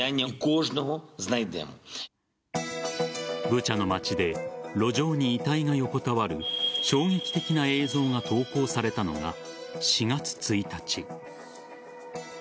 ブチャの町で路上に遺体が横たわる衝撃的な映像が投稿されたのが４月１日。